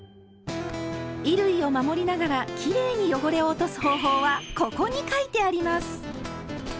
衣類を守りながらきれいに汚れを落とす方法は「ここ」に書いてあります！